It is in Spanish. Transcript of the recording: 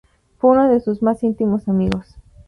Fue uno de sus más íntimos amigos.